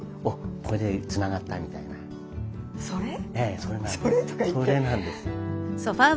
ええそれなんです。